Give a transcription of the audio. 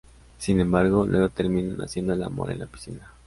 Sin embargo, luego terminan haciendo el amor en la piscina.